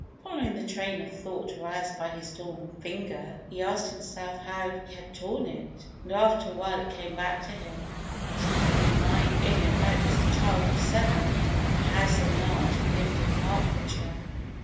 Following the train of thought aroused by his torn finger, he asked himself how he had torn it, and after a while it came back to him that he had been lying ill in bed as a child of seven at the house of an aunt who lived in Hertfordshire.